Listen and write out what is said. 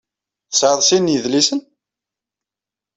Tesɛiḍ sin n yedlisen?